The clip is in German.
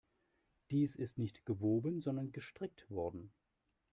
Dies ist nicht gewoben, sondern gestrickt worden.